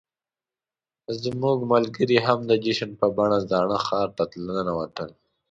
زموږ ملګري هم د جشن په بڼه زاړه ښار ته ننوتل.